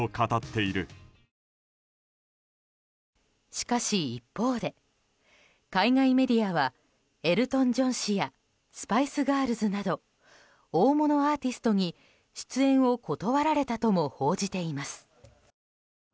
しかし、一方で海外メディアはエルトン・ジョン氏やスパイス・ガールズなど大物アーティストに出演を断られたとも報じています。